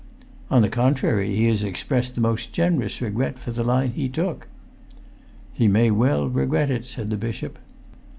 "On the contrary, he has expressed the most generous regret for the line he took." "He may well regret it," said the bishop.